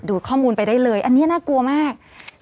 ข้อมูลไปได้เลยอันนี้น่ากลัวมาก